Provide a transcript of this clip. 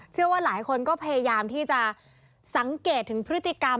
เชื่อว่าหลายคนก็พยายามที่จะสังเกตถึงพฤติกรรม